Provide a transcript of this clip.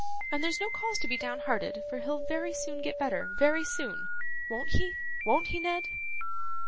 And there's no cause to be downhearted, for he'll very soon get better, very soon. Won't he, won't he, Ned?